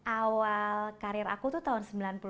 awal karir aku tuh tahun sembilan puluh tujuh